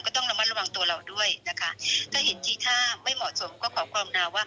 ก็ต้องระวังตัวเราด้วยนะคะถ้าเห็นที่ถ้าไม่เหมาะสมก็ขอครองนาว่าออกห่าง